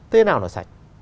tới nào nó sạch